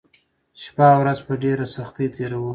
شپه او ورځ په ډېره سختۍ تېروو